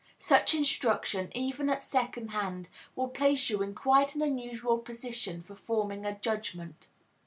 Such instruction even at second hand, will place you in quite an unusual position for forming a judgment.